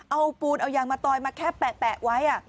เอาปูนเอายางมาตอยมาแค่แปะไว้